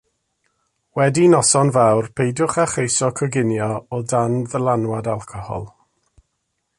Wedi noson fawr peidiwch â cheisio coginio o dan ddylanwad alcohol